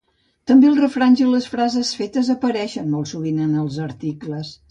També els refranys i les frases fetes apareixen molt sovint en els articles.